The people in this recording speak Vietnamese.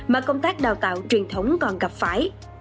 mà công tác đào tạo truyền thống còn gặp phải